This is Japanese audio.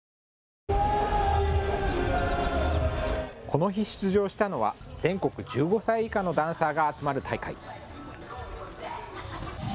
この日、出場したのは全国１５歳以下のダンサーが集まる大会。